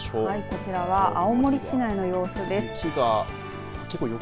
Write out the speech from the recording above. はい、こちらは青森市内の様子です。